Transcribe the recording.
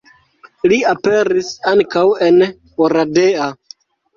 Li aperis ankaŭ en Oradea.